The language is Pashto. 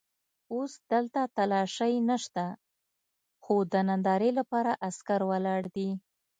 اوس دلته تالاشۍ نشته خو د نندارې لپاره عسکر ولاړ دي.